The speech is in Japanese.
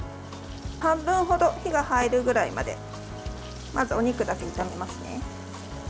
半分ほど火が入るぐらいまでまずお肉だけ炒めますね。